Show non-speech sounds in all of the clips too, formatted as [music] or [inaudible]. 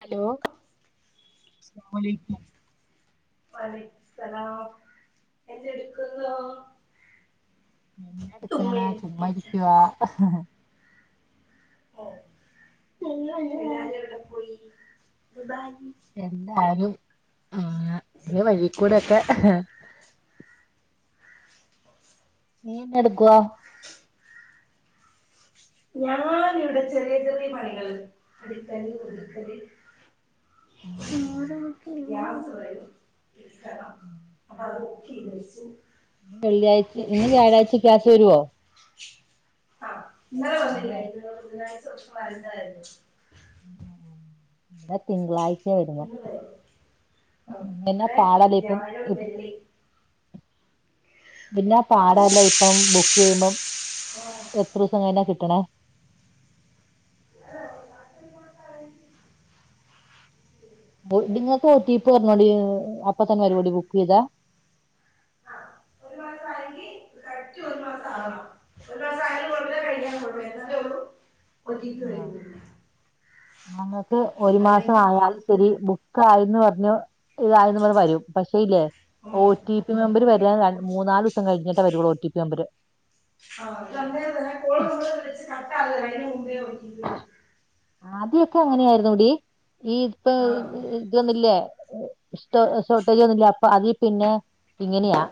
Hello അസ്സലാമുഅലൈക്കും. വാലൈകുസ്സലാം എന്ത്‌ ടുക്കുന്നു? എന്നെ എടുക്കാനാ ചുമ്മാരിക്കുവാ. ഹ് ഹോ [unintelligible] എല്ലാരും എവിടെ പോയി. ആ അ വഴിക്കൂടോക്കെ. നീ എനയെടിക്കുവാ? ഞാൻ ഇവിടെ ചെറിയ ചെറിയ പണികൾ അടികൽ ഉം, ഒതുക്കൽ. ഉം, [unintelligible] ഞാൻയാം ഉം, ഉം. അപ്പ അത് ക്കെു വെള്ളിയാഴ്ച ഇന്ന് വ്യാഴാഴ്ച ക്യാസ് വരുവോ ആ ഇന്നാലെ അവിടെ ആയി- പറഞ്ഞല്ല ബുധനാഴ്ചക്ഷ വരതായിരുന്നു തിങ്കളാഴ്ചയും വരുമ ഇന്ന് വരും ഇവിടെ വ്യാഴവും ഇപ്പ- വെള്ളി പിന്നെ പാടല്ല ഇപ്പം ബുക്ക് ചെയ്യുമ്പം എത്ര ദിവസം കന കിട്ട കണ ആ നിങ്ങക്ക ഒ ടീ പി പറരഞ്ഞോടി അപ്പത്തന് വരെ ഓടി ബക്ക് ചെയ്താ ആ മാസ ഒരു മാസ ആയാലും കഴിക്കൻൂ എന്നാല ആ ഞങ്ങക്ക് ഒരു മാസ അല്ലെങ്കിൽ ആയാലും ശരി ആയന്ന് പറഞ്ഞു ഇതായെന്ന് പറഞ്ഞ വരും പക്ഷേ ഇല്ലേ ഓ ഉം, ടി പി മമ്പര് ഒറ്റി വര മൂന്ന നാല് ദിവസം കഴിഞ്ഞിട്ടാ വരൂളൂ ഒ ടി പി മമ്പര് ആഹന്തെ കൊള വെച്ച് കട്ട അതിന് മുമ്പേ ഒ ആദ്യൊക്കെ അങ്ങനെയായിരുന്നു ടി ഈ ഇപ്പൊ ആ ഇതൊന്നല്ലേ ഷോട്ട് ഷോർട്ടേജ് വന്നിട്ടില്ല അപ്പൊ അതിൽ പിന്നെ ഇങ്ങനെയാ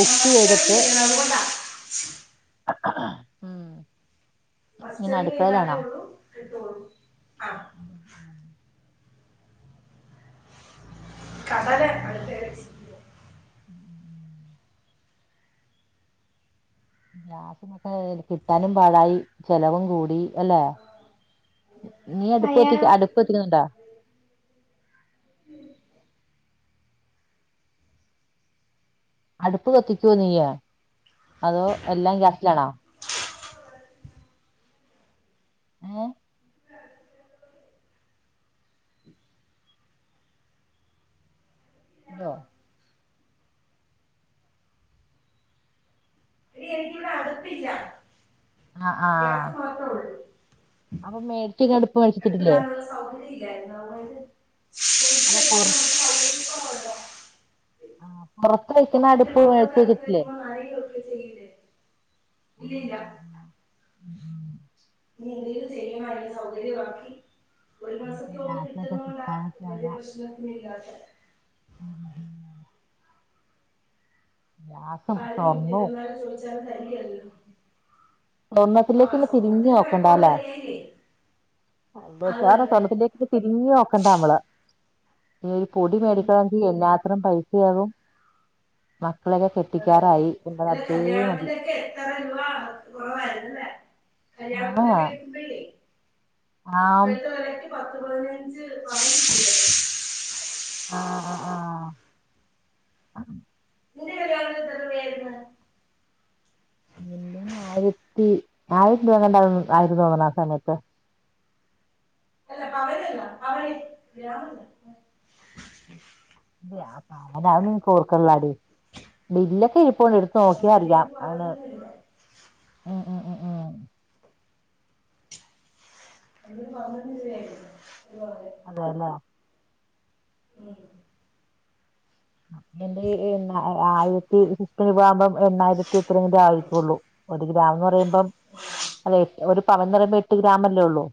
ബുക്ക് മസ്റ്ററിങ് ചെയ്തിട്ട് ചെയ്യണം അതുകൊണ്ടാ ഉം [unintelligible] ഫസ്റ്റ്റ ഇങ്ങനെ ചെയഴ്താലേ ഉള്ളൂ ഇട്ടോള്ളു ഉ ഉ [unintelligible] [inaudible] ഉം [unintelligible] ഗ്യാസിനൊക്കെ കിട്ടാനും പാടായി ചെലവും കൂടി അല്ലേ നീ അടുപ്പ അയ്യോ എത്തി അടുപ്പ എത്തിക്കുന്നുണ്ടോ ഉം അടുപ്പ് കത്തിക്കുവോ നീയ അതോ എല്ലാം ഗ്യാസിലാണോ ആഹ [unintelligible] ഇനി എനിക്കിവിടെ അടുപ്പില്ല ആഹ് ആഹ് ഗ്യാസ് മാത്രേ ഉള്ളൂ അപ്പൊ [unintelligible] അടുപ്പിടാനുള്ള സൗകര്യംല്ലത് അല പോറ കുറവുണ്ടോ ആ പുറത്ത വഴക്കുന്ന അടുപ്പ് മേഴത്തി കറ്റില്ലേ [unintelligible] ഇല്ലല്ല നീ എന്തെങ്കിലും ചെയ്യണം [unintelligible] സൗകര്യാക്കി ഒരു മാസത്തി ഒന്ന ഗ്യാസിനൊക്കെ കിട്ടുന്നടാ കിട്ടാനൊക്കെ വലിയ പ്രശ്നത്തിന ഇല്ലാതെ ഉ [unintelligible] ആര് നൂറ്റി സ്വർണ്ണവും ഇരുന്നാല് ചോദിച്ചാലല് തന്നല്ലോ ഒന്നത്തിലേക്കന്ന തിരിഞ്ഞു ഇപ്പൊ നോക്കണ്ട റെക്കോർഡ് അല്ലേ വരികയില്ലേ അത് [unintelligible] തന്നെ സ്വണ്ണത്തിന്റെക്കി തിരിഞ്ഞ് നോക്കണ്ട നമ്മള് ന ഒരു പൊടി ഉം മേടിക്കണമെങ്കിൽ എല്ലാത്തിനും പൈസയാകും മക്കളെയൊക്കെ അല്ലേ കെട്ടിക്കാറായി എന്താ അല്ല റബ്ബേ മതി കല്യാണത്തിനൊക്കെ എത്ര രൂപ കുറവായിരുന്നല്ലേ ആഹ് കല്യാണത്തിനൊക്കെ എടുക്കമ്പഴേ ആം ഇപ്പോഴത്തെ വിലക്ക് പത്ത് പതിനഞ്ച് ആഹ് ആഹ് ആഹ് നിന്റെ കല്യാണത്തിന് [unintelligible] പിന്നെ ആയിരത്തി ആയിരത്തി ഇപത്രണ്ട ആയിരത്തി തോന്നുന്ന ആ സമയത്ത് അല്ല പവനല്ല [inaudible] ഇ അവന കോർക്കള്ളാടി ബില്ലൊക്കെ ഇഴപ്പണ്ട് എടുത്ത് ആ, നോക്കിയ അറിയാം പവനിലേക്ക് ആണ് പതിനൊന്ന് രൂപ ഉം ഉം ഉം ഉം അതിന് പതിനൊന്ന് രൂപയായിരുന്നു ഒരു പവന് അതെല്ലെ ഉം, എന്റെ എണ് ആയിരത്തി ഫിറ്റന് പോകുമ്പോം എണ്ണായിരത്തി എത്രിന്റെ ആയിട്ടുള്ളൂ ഒരു ഗ്രാാം എന്ന് പറയുമ്പം അല്ല ഒരു പവൻ പറയുമ്പോ എട്ട് ഗ്രാമല്ലേ ഉള്ളൂ.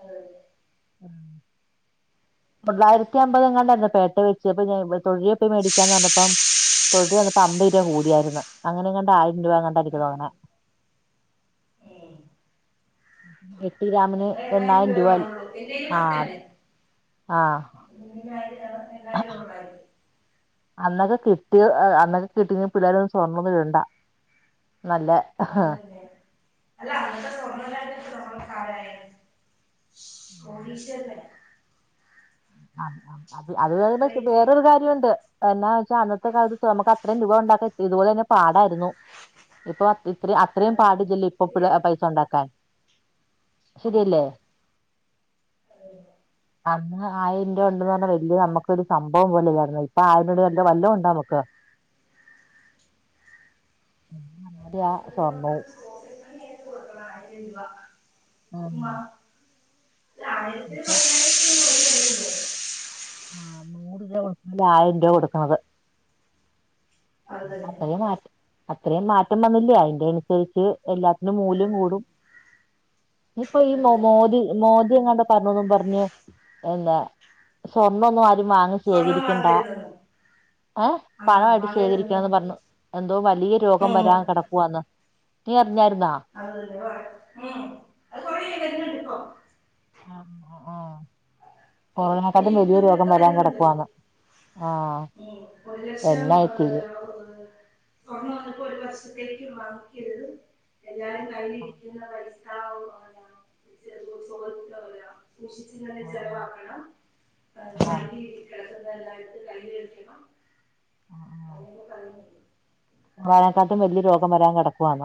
അതെ ആഹ തൊള്ളായിരത്തി അമ്പത് എങ്ങാണ്ടായിരുന്നു പേട്ട വെച്ച്പ്പ തൊഴിയപ്പ മേടിക്കാന്ന് പറഞ്ഞപ്പം. തൊഴിത് വന്നപ്പോ അമ്പത് രൂപ കൂടിയായിരുന്നു ആയിരം രൂപ എങ്ങണ്ടാ ആ എനിക്ക് തോങ്ങനെ. ഉം എട്ട് ഗ്രാമിന് എണ്ണായിരം രൂപയി എന്റെയില് ഭക്കേലേ ആ ആ എണ്ണായിരം ഉള്ളായിരുന്നു അന്നൊക്കെ കെട്ടി അന്നൊക്കെ കിട്ടി പിള്ളേരം സ്വർണ്ണം ഒന്ന് ഇടണ്ട നല്ല അതന്നെ [unintelligible] കോടീഷ്വര്ന ആ അ അത് പക്ഷെ അത്രയും വേറൊരു കാര്യംണ്ട് എന്നാന്ന് വെച്ചാ അന്നത്തെ കാലത്ത് നമുക്ക് അത്രയും രൂപ ഉ. കാക്ക ഇപോലെ തന്നെ പാടായിരുന്നു ഇപ്പൊ ഇത്ര അത്രയും അത് പാട് തന്നെ ഇല്ലല്ലോ ഇപ്പൊ ഇ ശരിയാ പൈസ ഉണ്ടാക്കാൻ. ഉം. ശരിയല്ലേ അത് തന്നെ. അ ആയിരം രൂപ ഉണ്ടന്ന് പറഞ്ഞാൽ വല്യ നമുക്കു ഒരു സംഭം പോലെ ഇല്ലായിരുന്നു ഇപ്പ ആയിരം വല്ലതം ഉണ്ടോ നമുക്ക് എന്ന അന്നടയാ ഒരു സ്വർണ്ണവും അ വ ആ ആയിരത്തി പതിനായിരത്തി എ ആഹ നൂറ് രൂപ കൊടുക്കണല് ആയിരം രൂപ കൊടുക്കണത്. അത് തന്നെ പപ്പയേ മാറ്റ അത്രയും മാറ്റം വന്നില്ല അതിന്റെ അനുസരിച്ച് എല്ലാത്തിനും മൂല്യം ഉം. കൂടും ഇപ്പൊ ഈ അത് മോ തന്നെ മോദി മോദി എങ്ങാണ്ട് പറഞ്ഞൊന്നും പറഞ്ഞ് എന്താ. സ്വർണ്ണൊന്നും ആരുംവാങ്ങി സ്വർണം ശേഖരിക്കണ്ട വാങ്ങരുതെന്ന് ഏ ആ പണമായിട്ട് ശേഖരിക്ക. വാങ്ങരുതെന്ന് പറഞ്ഞു എന്തോ വലിയ രോഗം ഉം. വരാൻ കിടക്കു ആന്ന് നീ. അറിഞ്ഞായിരുന്നാ [inaudible] വരുന്നുണ്ട് ഇപ്പം ആഹ ആഹ അത് കൊറോണെക്കാട്ടും വലിയ രോഗം യൂട്യൂബിലൊക്കെ വരാൻ വരുന്നുണ്ട് കിടക്കുന്ന് ആ ഉം ഒരു ലക്ഷം [unintelligible] വങ്ങിക്കരുത് എല്ലാരും കയ്യിലിരിക്കുന്ന പ സൂശിച്ചങ്ങന്നെ ചെലവാക്കണം ആഹ് [unintelligible] എല്ലായിടുത്തും കയ്യില [unintelligible] ആ ആ വനക്കാട്ടും വലിയ രോഗം വരാൻ കിടക്കു ആന്ന..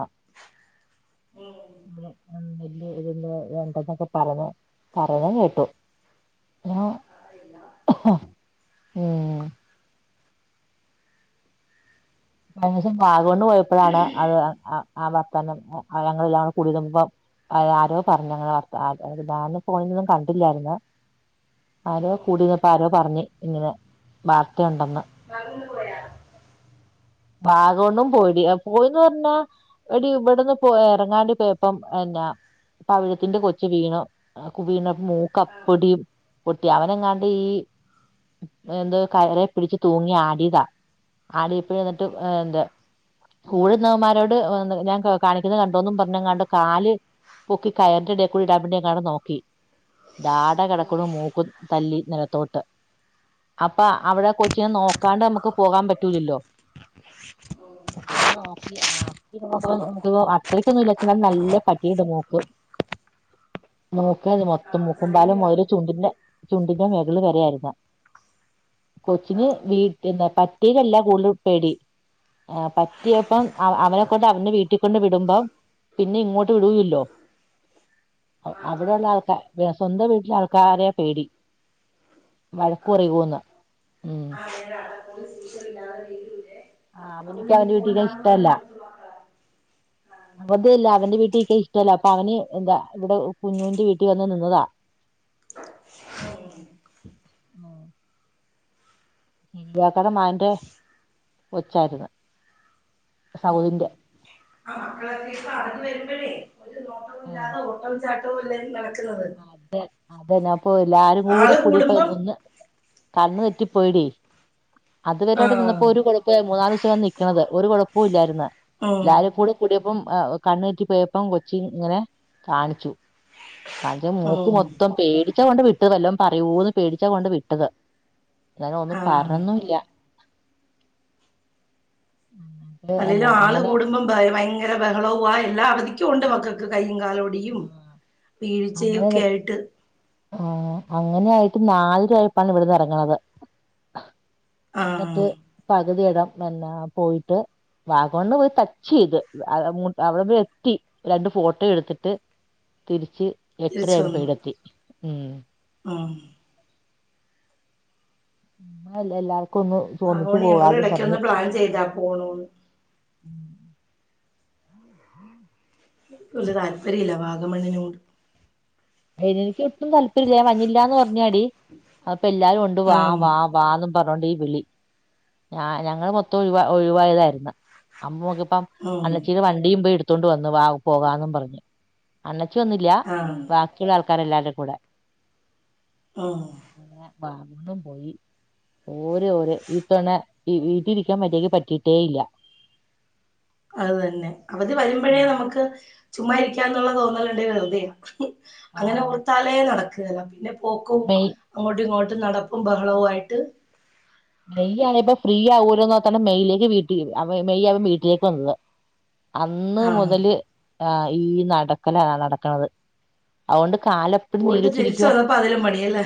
ഉം നമ്മള് നെല്ല് ഇന്ന് വേണ്ടെന്നൊക്കെ പറഞ്ഞ പറയുന്ന കേട്ടു ആ അറിയില്ല ഉം കഴിഞ്ഞോസം വാഗമൺ പോയപ്പോഴാണ് അത് ആ വർത്താനം ഞങ്ങളെല്ലാം [unintelligible] ആരോ പറഞ്ഞു കുണു കാറിൽ പോയത്കണ്ടില്ലായിരുന്നു ആരോ ഉം കൂടിന്നപ്പ ആരോ പറഞ്ഞു ഇങ്ങനെ വാർത്തയുണ്ടെന്ന്. അങ്ങ പോയ ഭാഗൊന്നും പോയിടി പോയിന്ന് പറഞ്ഞാ ഒരു ഇവിടെന്ന് പോ ഇറങ്ങാണ്ടി പോയപ്പം പിന്ന പവിഴത്തിന്റെ കൊച്ച വീണ വീണ മൂക്ക ആഹ് അപ്പൊടിയും കുട്ടി അവനങ്ങാണ്ട് ഈ എന്ത് കയറ പിടിച്ച് തൂങ്ങി ആടിയതാ ആടി ഇപ്പ എന്നിട്ട് ഉം എന്താ കൂഴുന്നവന്മാരോട് ഞാൻ കാണിക്കുന്ന കണ്ടോന്നും പറഞ്ഞങ്ങാണ്ട് കാല് പൊക്കി കയറിന്റെ ഇടേക്കൂടെ ഇടാൻ മാണ്ടി എങ്ങാനും നോക്കി ഡാട ഉം കിടക്കുന്നു മൂക്കും തല്ലി നിലത്തോട്ട് അപ്പ അവിടെ കൊച്ചിനെ ആഹ് നോക്കാണ്ട് നമുക്ക് പോകാൻ പറ്റൂലല്ലോ [unintelligible] പിന്നെ നോക്കി ആ [unintelligible] നല്ല പറ്റിന് മൂക്ക് മൂക്ക് നേ നി മൊത്തം ആഹ് മൂക്കുംപാല ചടങ്ങിനാണ് മുതല് ചുണ്ടിന്റെറെ ചുണ്ടിന്റെ മേഖള് വര ആായിരുന്ന കൊച്ചിന് ആഹ് വീ എന്താ പറ്റയിലല്ല കൂടുതൽ പേടി ആ പറ്റിയപ്പം അവനെ കൊണ്ട് അവന്റെ വീട്ടിൽക്കൊണ്ട് വിടുമ്പോം പിന്നെ ഇങ്ങോട്ട് വിടുലല്ലോ ആഹ് അവിടെയള്ള ആഹ് ആൾക്കാർ സ്വന്തം വീട്ടിലെ ആൾക്കാരെ പേടി വഴക്കു ആഹ് പറയോന്ന് ഉം [inaudible] ആ അവനിക്ക് അതുകൊണ്ട് നീ അവന്റെ വീട്ടിക്ക പോണ്ടാന്ന് പറഞ്ഞ് ഇഷ്ടല്ല നിർത്തു മക്കളെ ആ അതല്ല അവന്റെ വീട്ടിൽ നിക്ക ഇഷ്ടല്ല പ അവന് എന്താ ഇവിടെ കുഞ്ഞുന്റെ വീട്ടിൽ വന്ന് നിന്നതാ ഉം, ല്യാക്കാൻ്റെ മകൻ്റെ കൊച്ചയിരുന്നു ഉം. [unintelligible] ആ മക്കളൊക്കെ ഇപ്പ അറിഞ്ഞ വരുമ്പോഴേ ഓട്ടം ചാട്ടോവുംല്ലല്ലോ അതെ അതന്നെ അപ്പൊ എല്ലാരും കൂടെ ആള് കൂടിയപ്പോ കൂടുമ്പം ഒന്ന് കണ്ണ് തെറ്റി പോയി ടീ ആ അത്വരെവിടെ നിന്നപ്പോ ഒരു കുഴപ്പ മൂന്ന നിക്കിണ്ത് ഒരു കുഴപ്പ ഇല്ലായിരുന്നു ഉം, ലാ കൂടെ കൂട പ്പം കണ്ണൂറ്റി പോയപ്പം കൊച്ചി ഇങ്ങനെ കാണിച്ചു കഴ മൂക്ക് ഉം, മൊത്തം പേടിച്ചാ കൊണ്ട് വിട്ടതല്ലോ പറയൂന്ന് പേടിച്ചാ കൊണ്ട് വിട്ടത് ഞന ആ ഒന്നും പറന്നുംല്ല എന്നാ അല്ലേലും ആള് അങ്ങനെ കൂടുമ്പം ഭയങ്കര ബഹളവു എല്ലാ അവധിക്കും ഉണ്ട് മക്കൾക്ക് കൈ കാലോടിയും വീഴ്ചയുംക്കെ ആയിട്ട് ആ അങ്ങനെയായിട്ട് നാല് പ്പാണ് ഇവിടുന്ന് ഇറങ്ങണത് ആ എന്നിട്ട് പകുതിയിടാം എന്നെ പോയിട്ട് വാഗമണ്ണ് പോയി ടച്ച് ചെയ്ത് അവിടെ എത്തി രണ്ട് ഫോട്ടോ എടുത്തിട്ട് തിരിച്ച് എട്ടര തിരിച്ചു ആമ്പോ പേരേലത്തി ഉം ആ അല്ല ല്ല എല്ലാർക്കും ഒന്നും ചോന്നിച്ചു അതുകൊണ്ട് ഞങ്ങൾ പോവാതും പറഞ്ഞ് ഇടയ്ക്കൊന്ന് പ്ലാൻ ചെയ്താ പോണൂന്ന് ഒരു താല്പര്യം ഇല്ല വാഗമണ്ണിനോട് എനിക്ക് ഒട്ടും താല്പര്യമില്ലേ മഞ്ഞില്ലാന്ന് പറഞ്ഞ അപ്പോ എല്ലാരും കൊണ്ട് വാ ആഹ് വാ വാ അതോണ്ട് ഈ വിളി ഞങ്ങള് മൊത്തം ഒഴിവാ ഒഴിവായതായിരുന്നു അമ്മക്ക അപ്പം ഉം അണ്ണച്ചീടെ വണ്ടിയുമ്പ ടുത്തൊണ്ട് വന്നു പോകാന്നും പറഞ്ഞു അണ്ണച്ചി വന്നില്ല ആഹ് ബാക്കിയുള്ള ആൾക്കാരെല്ലാവരുടെ കൂടെ ആ വാഗമണ്ണും പോയി ഓര് ഓര് ഈ തവണ ഈ വീട്ടിലിരിക്കാൻ പറ്റിയക്ക് പറ്റിട്ടേ ഇല്ല അത തന്നെ അവധി വരുമ്പോഴേ നമുക്ക് ചുമ്മാ ഇരിക്കാന്നുള്ള തോന്നലുണ്ട് വെറുതെയാ. അങ്ങനെ ആഹ് ഓർത്താലേ നടക്കുകല്ല പിന്നെ പോക്കും മെയ് അങ്ങോട്ടും ഇങ്ങോട്ടും നടപ്പും ബഹളവും ആയിട്ട്. മെയ് ആണെ ഇപ്പൊ ഫ്രീ ആവൂലോന്ന് ഓർത്താണ് മെയ്യിലേക്ക് വീട്ടിൽ മെയ് ആവൻ വീട്ടിലേക്ക് വന്നത് [unintelligible] അന്ന് ആഹ് മുതല് ആ ഈ നടക്കലാണ് നടക്കണത് അതുകൊണ്ട്. കാല് അപ്പടി നീര് പോയിട്ട് തിരിച്ച് വെച്ചിരിക്കുവ. വന്നപ്പോ അതിലും പണിയല്ലേ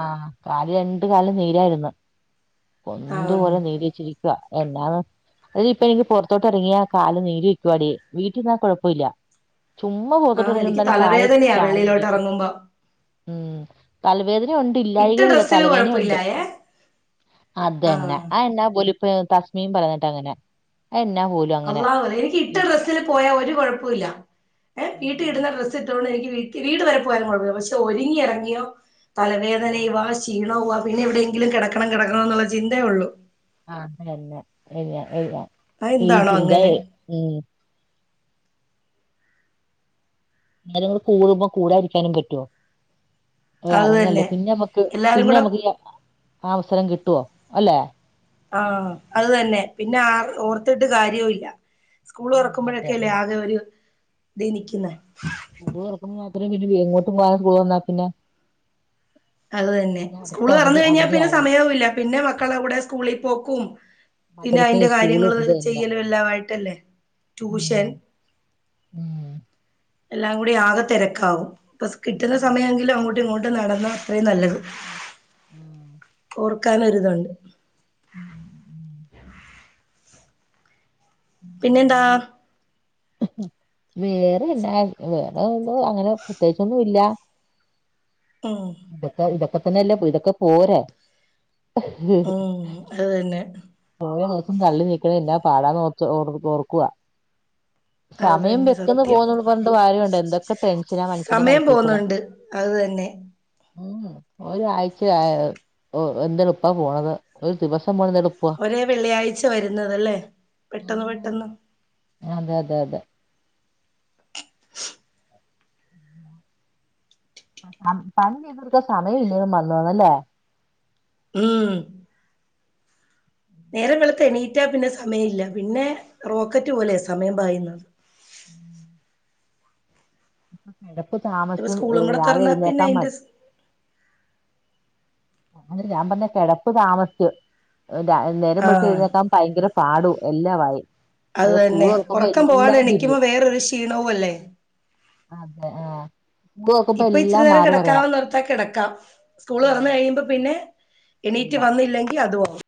ആ, കല് രണ്ട് കാലും നീരായിരുന്നു. പന്ത് ആഹ് പോലെ നീര് വെച്ചിരിക്കുക എന്ന അതിൽ ഇപ്പ എനിക്ക് പുറത്തോട്ട് ഇറങ്ങിയാ കല് നീര് വെക്കുവാടി വീട്ടിൽ ഇരുന്നാ കുഴപ്പമില്ല. ചുമ്മ ആഹ് എനിക്ക് പുറത്തോട്ടിറങ്ങിയാലും കാല് തലവേദനയാ വെളിയിലോട്ട് കായലിരിക്കും എറങ്ങുമ്പോ ഉണ്ട്, ഇട്ട ഇല്ലായിക ഒന്നുമില്ല ഡ്രസ്സിന് തലവേനയുണ്ട്. കൊഴപ്പല്ലായേ അതെന്നെ ആഹ് ആ എന്നാ പോലിപ്പൊ തസ്മീം പറഞ്ഞിട്ട് അങ്ങനെ ആ എന്നാ പോലും അങ്ങനെ അള്ളാ പറ എനിക്ക് ഇട്ട വീട്ടി ഡ്രസ്സിൽ പോയാ ഒരു കുഴപ്പ ഇല്ല, ആ വീട്ടിൽ ഇടുന്ന ഡ്രസ്സ് ഇട്ടുകൊണ്ട് എനിക്ക് വീട് വരെ പോയാലും കുഴപ്പമില്ല, പക്ഷെ ഒരുങ്ങിയിറങ്ങിയോ ആ തലവേദനയുവാ ക്ഷീണവു വാ പിന്നെ എവിടെയെങ്കിലും കിടക്കണം കിടക്കണം എന്നുള്ള ചിത്തേ ഉള്ളൂ. ആതല്ല എല്ല എല്ല അത് ഈ എന്താണോ അങ്ങനെ ചിന്തയ ഉ അന്നേരം നമ്മൾ കൂടുമ്പോ കൂടാതിരിക്കാനും പറ്റുവോ. അത് ഇറങ്ങല്ലേ തന്നെ പിന്നെമ്മക്ക്, എല്ലാരും പിന്നെ കൂടെ നമ്മുക്ക് ഈ അവസരം കിട്ടുവോ അല്ലെ. ആ, അത് തന്നെ പിന്നെ ആ ഓർത്തിട്ട് കാര്യവും ഇല്ല. സ്കൂൾ ഉം അതെ തുറക്കുമ്പോഴൊക്കെല്ലേ ആകെ ഒരു ഇതി നിക്കുന്നെ സ്കൂൾ തുറക്കുമ്പോ മാത്രേ പിന്നെ എങ്ങോട്ടും പോകാനാ സ്കൂൾ തുറന്നാ പിന്നെ. [unintelligible] അത് തന്നെ പിന്നെ അടുത്ത സ്കൂള് തുറന്ന് അവധി കഴിഞ്ഞാൽ അവധി പിന്നെ ആവണം സമയവും, ഇല്ല പിന്നെ മക്കളുടെ കൂടെ സ്കൂളിൽ പോക്കും. പിന്നെ അതിന്റെ മദ്രസയും സ്കൂളും കാര്യങ്ങള് ഇത് എല്ലാം ചെയ്യല് എല്ലാമായിട്ടല്ലേ ഉം ട്യൂഷൻ ഉം എല്ലാം കൂടി ആകെ തിരക്കാവും ഇപ്പൊ കിട്ടുന്ന ആഹ് സമയമെങ്കിലും അങ്ങോട്ടും ഇങ്ങോട്ടും നടന്നാ അത്രയും നല്ലത് ഓർക്കാനൊരി തൊണ്ട് ഉം, ഉം പിന്നെന്താ വേറെന്താ വേറെ അങ്ങനെ പ്രത്യേകിച്ചൊന്നും ഇല്ല. [unintelligible] ഇതൊക്കെ, ഇതൊക്കെ തന്നെല്ലേ ഇതൊക്കെ പോരെ ഉം അത് തന്നെ ഓരോ ദിവസം തള്ളി നീക്കെണ എന്നാ പാടാന്ന് ഓർക്കുവ. ഉം അത് തന്നെ സത്യം പറഞ്ഞിട്ട് കാര്യമുണ്ടോ എന്തൊക്കെ ടെൻഷനാ മനുഷ്യന്റെ സമയം മനസ്സിൽ പോവുന്നുണ്ട് അത് തന്നെ. [unintelligible] ഉ ഒരാഴ്ച ആയ എന്താ എളുപ്പാ പോണത്, ഒരു ദിവസം പോണത് എളുപ്പാ. ഒരേ വെള്ളിയാഴ്ച വരുന്നതല്ലേ പെട്ടെന്ന് പെട്ടെന്ന് അതെ അതെ അതെ പണ്ട് ഇതൊർക്ക സമയം ഇല്ല വന്നു വന്നല്ലേ ഉം നേരെ വെള്ത്തെ എണീറ്റാ പിന്നെ സമയം ഇല്ല, പിന്നെ റോക്കറ്റ് പോലെയാ സമയം പായുന്നത്. [unintelligible] കിടപ്പ് ഇപ്പൊ താമസും, സ്കൂളും കൂടെ രാവിലെ തുറന്നാ പിന്നെ എഴുന്നേക്കാൻ അയിന്റെ മടി. സ് അതെ ഞാൻ പറഞ്ഞ കിടപ്പ് താമസിച്ച്, നേരം വെളുത്ത് ആഹ് എഴുന്നേക്കാ ഭയങ്കര പാടും. എല്ലാ വായി അത് തന്നെ ഉറക്കം പോവാണ്ട് എണിക്കുമ്പോ, തിരിയും വേറെരു ക്ഷീണവും അല്ലേ. അതെ ആഹ് ഇപ്പൊ ഇച്ചിരി നേരം കിടക്കാന്ന്ർത്താൽ കിടക്കാം സ്കൂള് ഉം. തുറന്നകഴിയുമ്പോ പിന്നെ എല്ലാം എണീറ്റ് വന്നില്ലെങ്കിൽ അതും ആവും